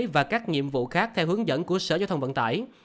và các nhiệm vụ khác theo hướng dẫn của sở giao thông vận tải